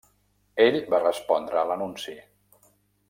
Ell va respondre a l'anunci.